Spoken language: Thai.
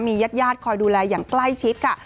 ญาติญาติคอยดูแลอย่างใกล้ชิดค่ะ